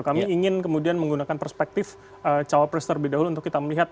kami ingin kemudian menggunakan perspektif cawapres terlebih dahulu untuk kita melihat